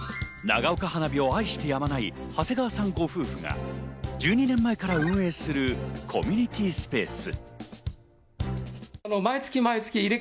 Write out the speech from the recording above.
長岡花火を愛してやまない長谷川さんご夫婦が１２年前から運営するコミュニティースペース。